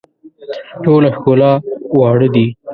ټوله ښکلا واړه دي.